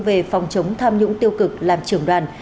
về phòng chống tham nhũng tiêu cực làm trưởng đoàn